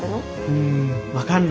うん分かんない。